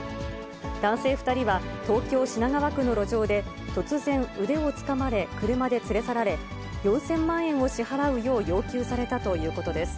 男性２人は、東京・品川区の路上で突然、腕をつかまれ、車で連れ去られ、４０００万円を支払うよう要求されたということです。